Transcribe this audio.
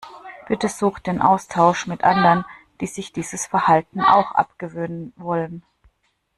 Bitte such den Austausch mit anderen, die sich dieses Verhalten auch abgewöhnen wollen.